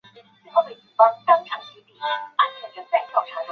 粮食自给率是一项评估国家粮食自给程度的指标。